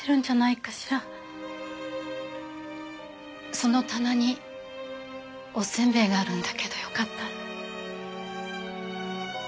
その棚におせんべいがあるんだけどよかったら。